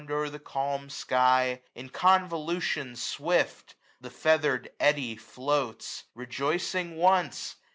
O'er the calm sky, in convolution swift. The feather'd eddy floats : rejoicing once.